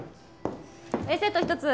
Ａセット１つ。